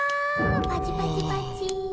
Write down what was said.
パチパチパチ。